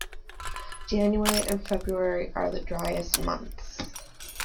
January and February are the driest months.